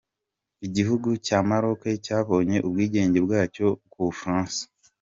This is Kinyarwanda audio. Igihugu cya Maroc cyabonye ubwigenge bwacyo ku Bufaransa.